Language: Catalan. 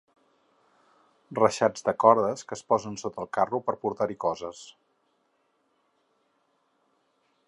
Reixats de cordes que es posen sota del carro per portar-hi coses.